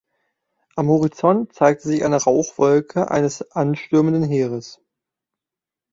Am Horizont zeigt sich eine Rauchwolke eines anstürmenden Heeres.